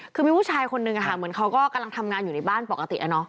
คือมีผู้ชายคนหนึ่งเขากำลังทำงานอยู่ในบ้านปกติแล้ว